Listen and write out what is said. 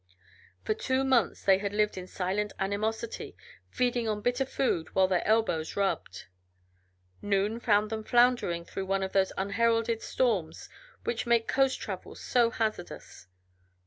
For two months they had lived in silent animosity, feeding on bitter food while their elbows rubbed. Noon found them floundering through one of those unheralded storms which make coast travel so hazardous.